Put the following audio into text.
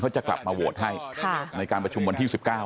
จะกลับมาโหวตให้ในการประชุมวันที่๑๙